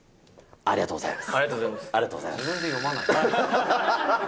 ありがとうございます。